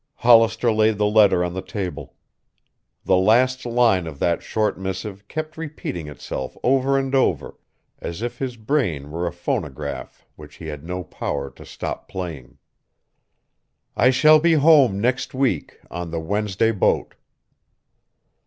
Hollister laid the letter on the table. The last line of that short missive kept repeating itself over and over, as if his brain were a phonograph which he had no power to stop playing: "I shall be home next week on the Wednesday boat."